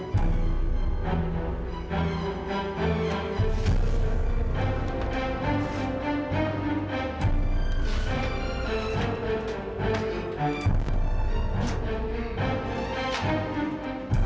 jangan sekali sekali kagum lagi ya